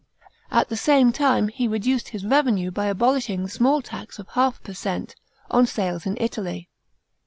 At the same time he reduced his revenue by abolishing the small tax of ^ per cent, on sales in Italy.